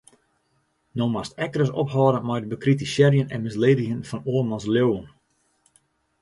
No moatst ek ris ophâlde mei it bekritisearjen en misledigjen fan oarmans leauwen.